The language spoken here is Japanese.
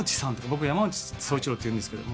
僕山内総一郎っていうんですけど。